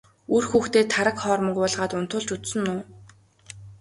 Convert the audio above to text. Үр хүүхдээ тараг хоормог уулгаад унтуулж үзсэн үү?